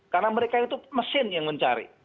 karena mereka itu mesin yang mencari